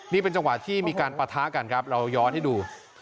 นี่เป็นจังหวะที่มีการปะทะกันครับเราย้อนให้ดู